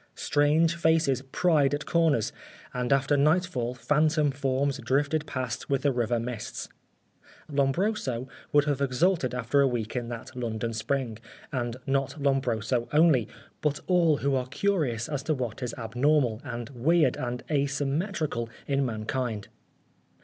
Strange faces pried at corners, and after nightfall phantom forms drifted past with the river mists. Lombroso would have exulted after a week in that London spring, and not Lombroso only, but all who are curious as to what is abnormal, and weird, and asymmetrical in mankind.